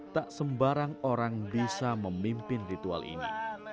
tak sembarang orang bisa memimpin ritual ini